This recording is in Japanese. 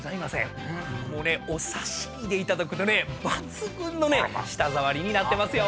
お刺し身でいただくとね抜群の舌触りになってますよ。